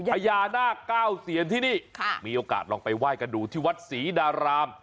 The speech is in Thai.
พญานาคเก้าเซียนที่นี่มีโอกาสลองไปไหว้กันดูที่วัดศรีดาราม